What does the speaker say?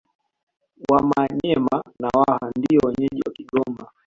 Wamanyema na Waha ndio wenyeji wa Kigoma